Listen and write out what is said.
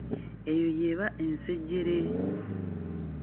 Eyo yeba ensejjere.